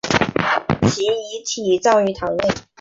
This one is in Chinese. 其遗体葬于堂内。